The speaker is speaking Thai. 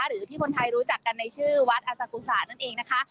หรือที่คนไทยรู้จักกันในชื่อวัดอสากุศานั่นเองนะคะ